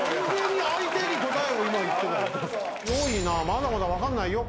まだまだ分かんないよ。